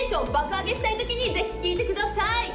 上げしたい時にぜひ聴いてください！